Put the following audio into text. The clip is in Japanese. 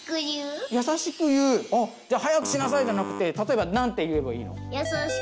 じゃあ「早くしなさい！」じゃなくて例えば何て言えばいいの？